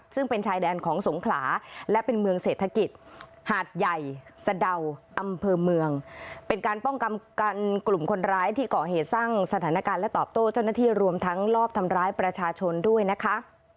ซึ่งเป็นชายแดนของสงขลาและเป็นเมืองเศรษฐกิจหาดใหญ่สะดาวอำเภอเมืองเป็นการป้องกันกันกลุ่มคนร้ายที่ก่อเหตุสร้างสถานการณ์และตอบโต้เจ้าหน้าที่รวมทั้งรอบทำร้ายประชาชนด้วยนะคะ